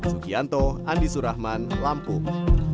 sukianto andi surahman lampung